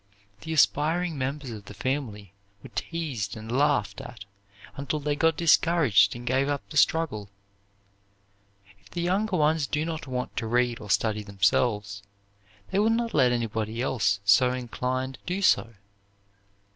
The aspiring members of the family were teased and laughed at until they got discouraged and gave up the struggle. If the younger ones do not want to read or study themselves, they will not let anybody else so inclined do so.